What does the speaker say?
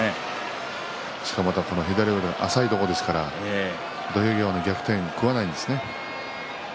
しかも、また左浅いところですから土俵際の逆転を食わないんですね。